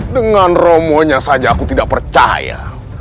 dengan romonya saja aku tidak percaya